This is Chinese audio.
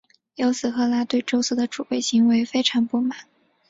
因此赫拉对宙斯的出轨行为非常不满。